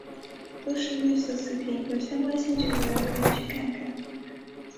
都是绿色食品有相关感兴趣的人可以去看看。